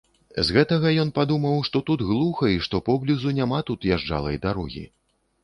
З гэтага ён падумаў, што тут глуха і што поблізу няма тут язджалай дарогі.